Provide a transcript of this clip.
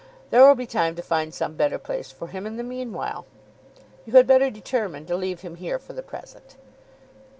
There will be time to find some better place for him in the meanwhile. You had better determine to leave him here for the present!